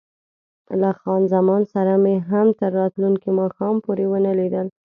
له خان زمان سره مې هم تر راتلونکي ماښام پورې ونه لیدل.